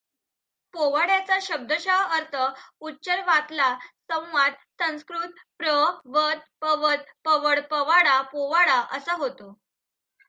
पोवाड्याचा शब्दश अर्थ उच्चरवातला संवाद संस्कृत प्र वद पवद पवड पवाडा पोवाडा असा होतो.